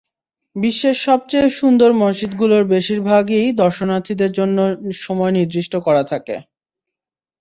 বিশ্বের সবচেয়ে সুন্দর মসজিদগুলোর বেশির ভাগই দর্শনার্থীদের জন্য সময় নির্দিষ্ট করা থাকে।